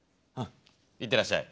行ってらっしゃい。